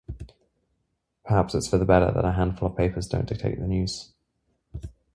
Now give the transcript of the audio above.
Perhaps it's for the better that a handful of papers don't dictate the news.